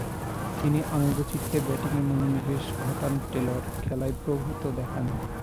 তিনি আনন্দচিত্তে ব্যাটিংয়ে মনোনিবেশ ঘটান টেলর, খেলায় প্রভূত্বঃ দেখান।